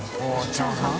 チャーハン？